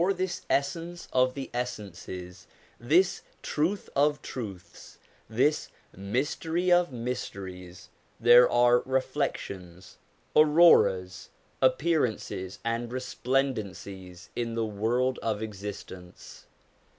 THE MANIFESTATIONS OF GOD 169 this Essence of the essences, this Truth of truths, this Mystery of mysteries, there are reflections, auroras, appearances and resplendencies, in the world of exist ence.